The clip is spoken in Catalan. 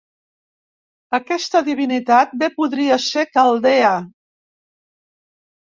Aquesta divinitat bé podria ser caldea.